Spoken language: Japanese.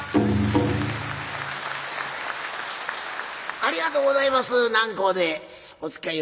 ありがとうございます。